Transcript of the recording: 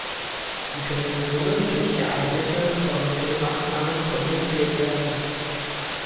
Sie können somit durch geeignete Korrekturmaßnahmen kompensiert werden.